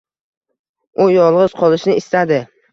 U yolg`iz qolishni istadi